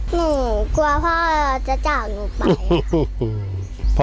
หนูกลัวพ่อจะจากหนูไป